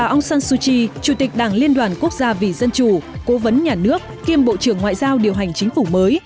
ông san suu kyi chủ tịch đảng liên đoàn quốc gia vì dân chủ cố vấn nhà nước kiêm bộ trưởng ngoại giao điều hành chính phủ mới